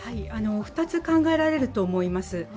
２つ考えられると思います。